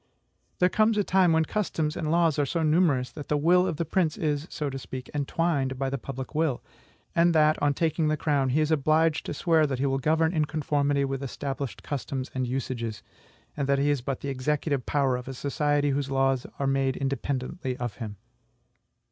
There comes a time when customs and laws are so numerous that the will of the prince is, so to speak, entwined by the public will; and that, on taking the crown, he is obliged to swear that he will govern in conformity with established customs and usages; and that he is but the executive power of a society whose laws are made independently of him.